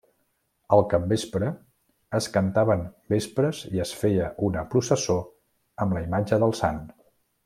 Al capvespre, es cantaven vespres i es feia una processó amb la imatge del Sant.